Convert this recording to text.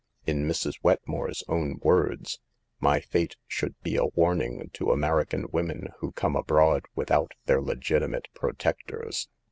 In Mrs. Wetmore's own words, " My fate should be a warning to American women who come abroad without their legitimate protectors."